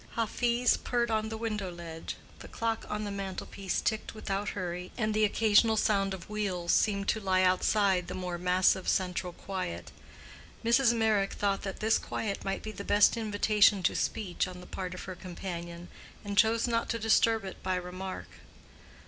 Hafiz purred on the window ledge, the clock on the mantle piece ticked without hurry, and the occasional sound of wheels seemed to lie outside the more massive central quiet. Mrs. Meyrick thought that this quiet might be the best invitation to speech on the part of her companion, and chose not to disturb it by remark.